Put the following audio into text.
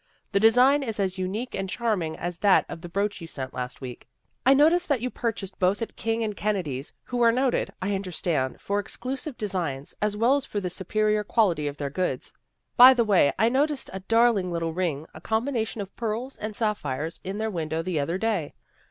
The design is as unique and charm ing as that of the brooch you sent last week. I noticed that you purchased both at King and Kennedy's, who are noted, I understand, for exclusive designs, as well as for the superior quality of their goods. " By the way, I noticed a darling little ring, a combination of pearls and sapphires, in their window the other day.